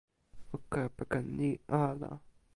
o kepeken ni ala!